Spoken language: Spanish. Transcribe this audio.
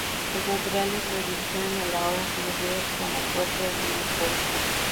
Los naturales lo dirigieron al ahora conocido como puerto de Newport.